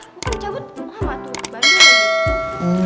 lo kan cabut lama tuh